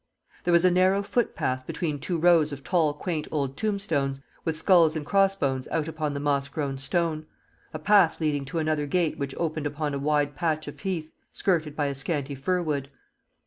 There was a narrow footpath between two rows of tall quaint old tombstones, with skulls and crossbones out upon the moss grown stone; a path leading to another gate which opened upon a wide patch of heath skirted by a scanty firwood.